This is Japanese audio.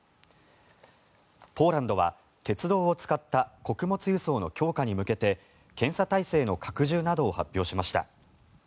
ポーランドは鉄道を使った穀物輸送の強化に向けて検査体制の拡充などを発表しました。